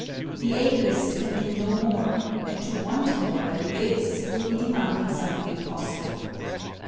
The ablest can do no more, and to want more than this will be demanding something impossible.